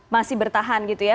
masih bertahan gitu ya